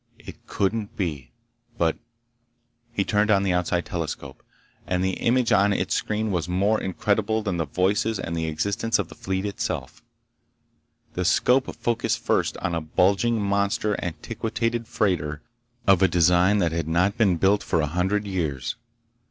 It couldn't be, but— He turned on the outside telescope, and the image on its screen was more incredible than the voices and the existence of the fleet itself. The scope focused first on a bulging, monster, antiquated freighter of a design that had not been built for a hundred years.